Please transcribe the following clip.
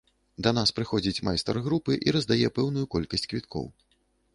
Да нас прыходзіць майстар групы і раздае пэўную колькасць квіткоў.